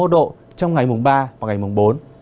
ba mươi độ trong ngày mùng ba và ngày mùng bốn